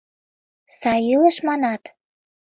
— Сай илыш, манат?!